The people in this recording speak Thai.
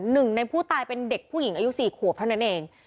หนึ่งในผู้ตายเป็นเด็กผู้หญิงอายุ๔ขวบเท่านั้นเอง